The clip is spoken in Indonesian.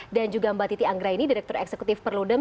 dan juga mbak titi anggraini direktur eksekutif perlodem